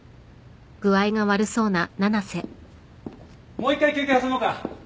もう一回休憩挟もうか。